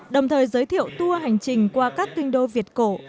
đồng thời giới thiệu tour hành trình qua các kinh đô việt cổ